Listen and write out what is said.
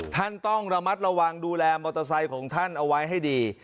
ท่านต้องระมัดระวังดูแลมอเตอร์ไซค์ของท่านเอาไว้ให้ดี